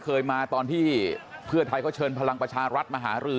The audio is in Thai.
เคยมาตอนที่เพื่อไทยเขาเชิญพลังประชารัฐมาหารือ